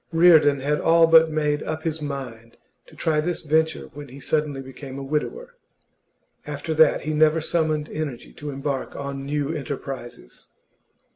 Reardon had all but made up his mind to try this venture when he suddenly became a widower; after that he never summoned energy to embark on new enterprises.